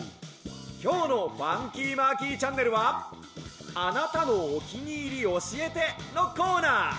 きょうの『ファンキーマーキーチャンネル』は『あなたのおきにいりおしえて』のコーナー。